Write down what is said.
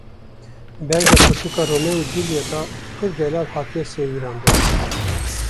Berga pirtûka Romeo û Julîet a pir delal hatiye sêwirandin.